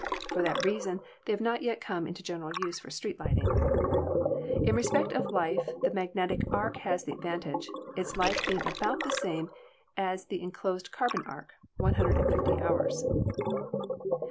For that reason they have not yet come into general use for street lighting. In respect of life the magnetic arc has the advantage, its life being about the same as the enclosed carbon arc — 150 hours.